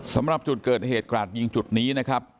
สำหรับจุดเกิดเหตุกราดยิงจุดนี้นะครับ